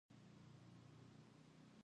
نوموړي د سولهییز بدلون ژمنتیا لري.